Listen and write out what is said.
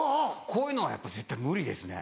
こういうのはやっぱ絶対無理ですね。